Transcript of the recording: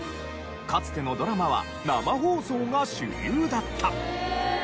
かつてのドラマは生放送が主流だった。